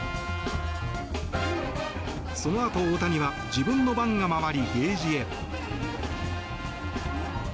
そのあと、大谷は自分の番が回りゲージへ。